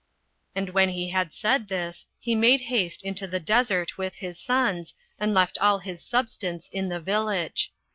And when he had said this, he made haste into the desert with his sons, and left all his substance in the village.